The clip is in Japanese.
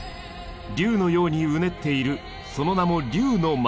龍のようにうねっているその名も龍の松。